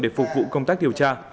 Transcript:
để phục vụ công tác điều tra